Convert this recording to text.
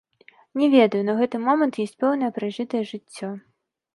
Не ведаю, на гэты момант ёсць пэўнае пражытае жыццё.